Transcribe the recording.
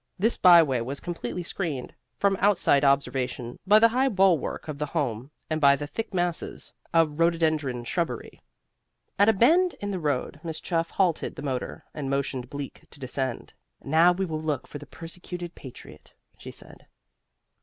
This byway was completely screened from outside observation by the high bulwark of the Home and by thick masses of rhododendron shrubbery. At a bend in the road Miss Chuff halted the motor, and motioned Bleak to descend. "Now we will look for the persecuted patriot," she said.